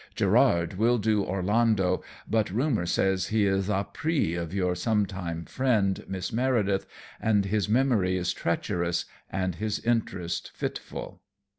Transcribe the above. Gerard will do Orlando, but rumor says he is épris of your sometime friend, Miss Meredith, and his memory is treacherous and his interest fitful.